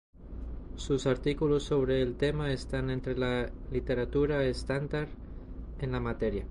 Sus artículos sobre el tema están entre la literatura estándar en la materia.